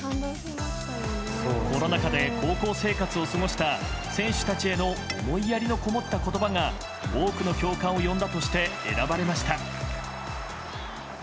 コロナ禍で高校生活を過ごした選手たちへの思いやりのこもった言葉が多くの共感を呼んだとして選ばれました。